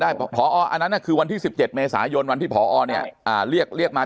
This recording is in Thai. พออันนั้นคือวันที่๑๗เมษายนวันที่พอเนี่ยเรียกมา